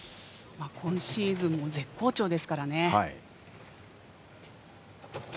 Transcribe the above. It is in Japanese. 今シーズンも絶好調ですからね。